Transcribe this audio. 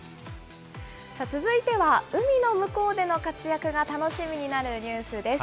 続いては海の向こうでの活躍が楽しみになるニュースです。